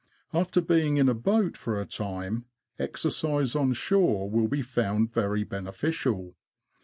After being in a boat for a time, exercise on shore will be found very beneficial.